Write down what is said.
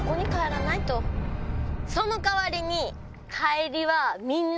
その代わりに。